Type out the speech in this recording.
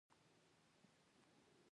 نري تپ ته يې پزه ونيوله.